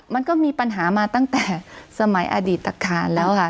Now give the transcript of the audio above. มันก็มีปัญหามาตั้งแต่สมัยอดีตตะคารแล้วค่ะ